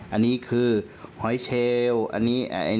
อันนี้คือหอยเชลล์